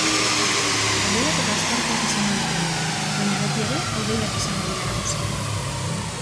Hodeiak eta ostarteak izango ditugu, baina beti ere hodeiak izango dira nagusi.